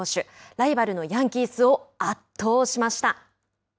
ライバルのヤンキースを圧倒しました。